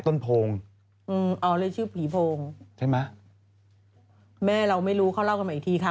ต้นโพงอืมอ๋อเลยชื่อผีโพงใช่ไหมแม่เราไม่รู้เขาเล่ากันมาอีกทีค่ะ